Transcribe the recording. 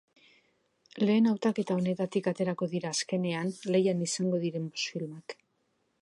Lehen hautaketa honetatik aterako dira, azkenean, lehian izango diren bost filmak.